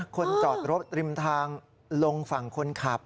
คนจอดรถริมทางลงฝั่งคนขับ